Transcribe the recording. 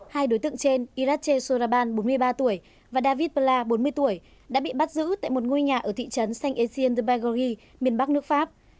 hai đối tượng trên irache soraban bốn mươi ba tuổi và david bla bốn mươi tuổi đã bị bắt giữ tại một ngôi nhà ở thị trấn saint etienne de bergerie miền bắc nước pháp